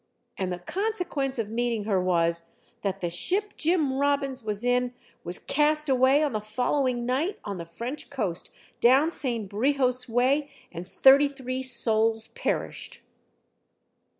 And the consequence of meet ing her was, that the ship Jim Robbins was in was cast away on the following night on the French coast, down Saint Brihos way, and thirty three souls perished."